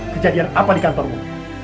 kejadian apa di kantormu